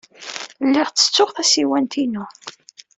Lliɣ ttettuɣ tasiwant-inu.